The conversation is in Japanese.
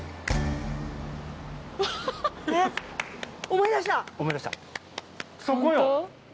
思い出した？